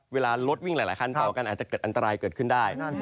เวลารถวิ่งหลายคันต่อกันอาจจะเกิดอันตรายเกิดขึ้นได้